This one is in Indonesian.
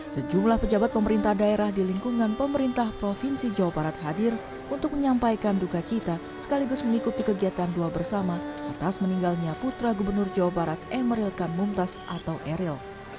sejumlah pejabat pemerintah daerah di lingkungan pemerintah provinsi jawa barat hadir untuk menyampaikan duka cita sekaligus mengikuti kegiatan doa bersama atas meninggalnya putra gubernur jawa barat emeril kan mumtaz atau eril